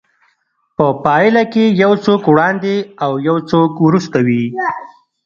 په پايله کې يو څوک وړاندې او يو څوک وروسته وي.